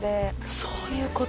そういうこと。